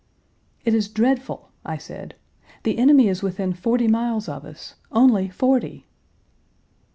"It is dreadful," I said. "The enemy is within forty miles of us only forty!"